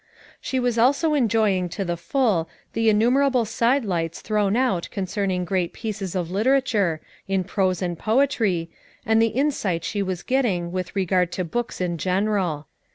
She was also enjoying to the full the innumerable side lights thrown out concerning great pieces of literature, in prose and poetry, and the in sight she was getting with regard to books in general.